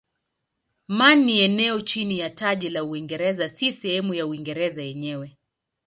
Man ni eneo chini ya taji la Uingereza si sehemu ya Uingereza yenyewe.